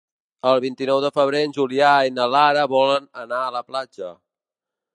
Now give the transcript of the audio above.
El vint-i-nou de febrer en Julià i na Lara volen anar a la platja.